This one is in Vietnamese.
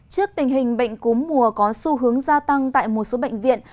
trước tình hình bệnh cúm mùa có xu hướng gia tăng tại một số bệnh viện